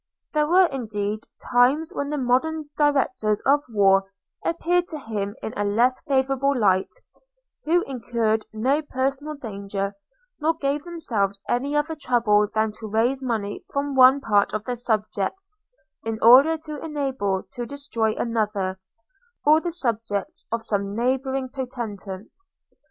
There were, indeed, times when the modern directors of war appeared to him in a less favourable light – who incurred no personal danger, nor gave themselves any other trouble than to raise money from one part of their subjects, in order to enable them to destroy another, or the subjects of some neighbouring potentate.